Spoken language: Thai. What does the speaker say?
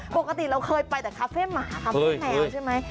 ปกติเราเคยไปแต่คาเฟ่หมาคาเฟ่แมวใช่ไหม